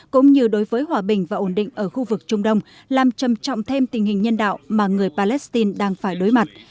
cũng như đối với hòa bình và ổn định ở khu vực trung đông làm trầm trọng thêm tình hình nhân đạo mà người palestine đang phải đối mặt